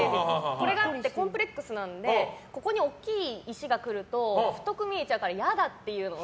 これがあってコンプレックスなのでここに大きい石が来ると太く見えちゃうからやだって。